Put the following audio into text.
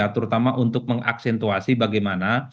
terutama untuk mengaksentuasi bagaimana